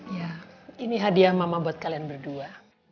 ya ini hadiah mama buat kalian berdua